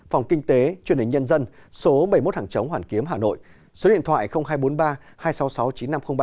phòng kinh tế truyền hình nhân dân số bảy mươi một hàng chống hoàn kiếm hà nội số điện thoại hai trăm bốn mươi ba hai trăm sáu mươi sáu chín nghìn năm trăm linh ba